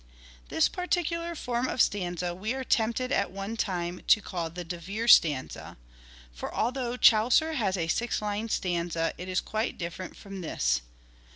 This particular form of stanza we were tempted at The poems one time to call the De Vere stanza ; for although L*or(j vaux. Chaucer has a six lined stanza it is quite different from this.